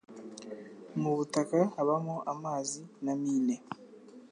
mu butaka habamo amazi na mine